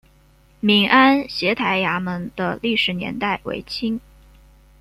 闽安协台衙门的历史年代为清。